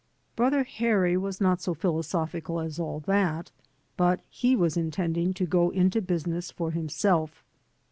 Brother Harry was not so philosophical as all that, but he was intending to go into business for himself.